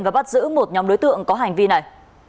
và bắt giữ một nhóm đối tượng có hành vi này